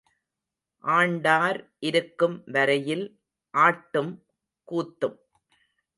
ஆண்டார் இருக்கும் வரையில் ஆட்டும் கூத்தும்.